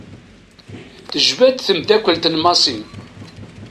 Tejba-d temddakelt n Massi.